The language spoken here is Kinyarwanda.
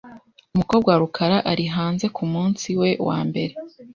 Umukobwa wa rukara ari hanze kumunsi we wambere .